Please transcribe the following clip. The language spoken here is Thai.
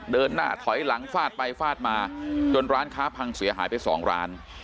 เดินหน้าถอยหลังฟาดไปฟาดมาจนร้านค้าพังเสียหายไปสองร้าน